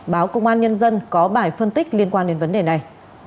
báo công an nhân dân có bài phân tích liên quan đến vấn đề này